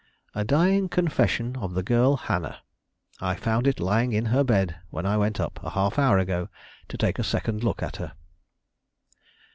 "A dying confession of the girl Hannah. I found it lying in her bed when I went up, a half hour ago, to take a second look at her."